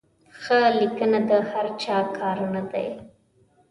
ښه لیکنه د هر چا کار نه دی.